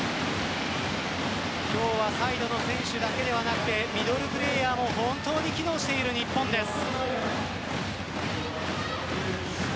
今日はサイドの選手だけではなくてミドルプレーヤーも本当に機能している日本です。